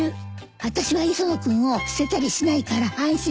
あたしは磯野君を捨てたりしないから安心してって。